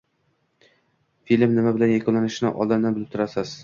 Film nima bilan yakunlanishini oldindan bilib turasiz